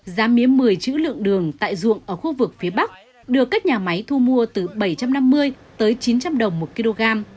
giá mía một mươi chữ lượng đường tại ruộng ở khu vực phía bắc được các nhà máy thu mua từ bảy trăm năm mươi tới chín trăm linh đồng một kg